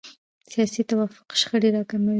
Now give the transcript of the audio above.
سیاسي توافق شخړې راکموي